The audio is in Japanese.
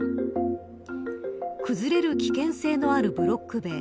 崩れる危険性のあるブロック塀。